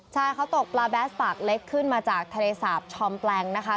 ใช่เขาตกปลาแดสปากเล็กขึ้นมาจากทะเลสาบชอมแปลงนะคะ